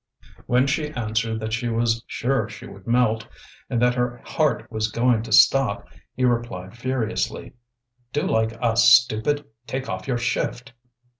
When she answered that she was sure she would melt, and that her heart was going to stop, he replied furiously: "Do like us, stupid! Take off your shift."